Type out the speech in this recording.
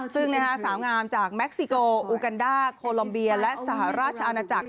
ซึ่งสาวงามจากแม็กซิโกอูกันด้าโคลอมเบียและสหราชอาณาจักร